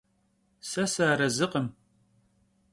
Se sıarezıkhım.